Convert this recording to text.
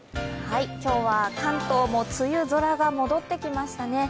今日は関東も梅雨空が戻ってきましたね。